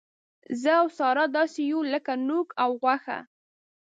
زه او ساره داسې یو لک نوک او غوښه.